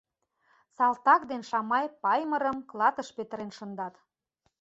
Салтак ден Шамай Паймырым клатыш петырен шындат.